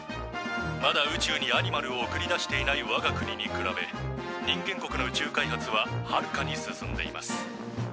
まだ宇宙にアニマルを送り出していないわが国に比べ人間国の宇宙開発ははるかに進んでいます。